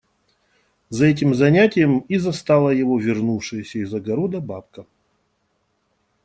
За этим занятием и застала его вернувшаяся из огорода бабка.